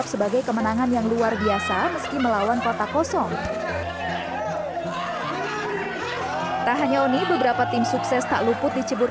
pasangan cawabit dwi rianto jakmiko tidak hadir